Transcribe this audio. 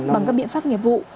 bằng các biện pháp nghiệp vụ